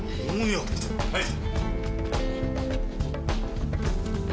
はい。